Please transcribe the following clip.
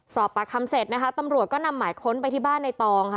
สอบปากคำเสร็จนะคะตำรวจก็นำหมายค้นไปที่บ้านในตองค่ะ